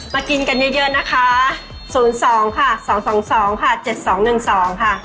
มากินกันเยอะนะคะ๐๒๒๒๒๗๒๑๒ค่ะ